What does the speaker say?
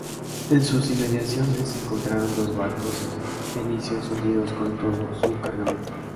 En sus inmediaciones se encontraron dos barcos fenicios hundidos con todo su cargamento.